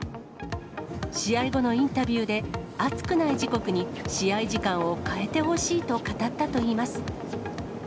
試合後のインタビューで、暑くない時刻に試合時間を変えてほしいと語ったといいます。